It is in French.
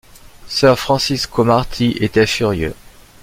Sir Francis Cromarty était furieux.